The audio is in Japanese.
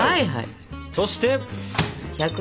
そして？